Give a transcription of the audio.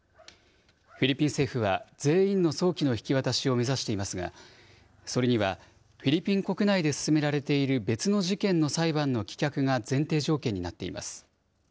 フィリピン政府は全員の早期の引き渡しを目指していますが、それにはフィリピン国内で進められている別の事件の裁判の棄却が前提条件になっています。